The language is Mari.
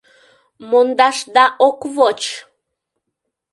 Мондашда ок воч!